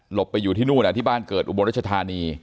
หลบไปอยู่ที่นู่นอ่ะที่บ้านเกิดอุบัติรัชธานี